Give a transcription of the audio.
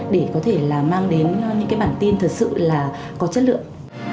để có thể là mang đến những cái bản tin thật sự là có chất lượng